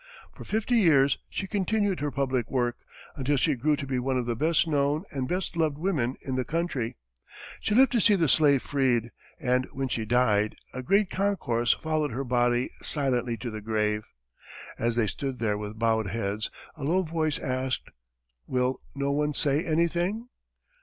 For fifty years she continued her public work, until she grew to be one of the best known and best loved women in the country. She lived to see the slave freed, and when she died, a great concourse followed her body silently to the grave. As they stood there with bowed heads, a low voice asked, "Will no one say anything?"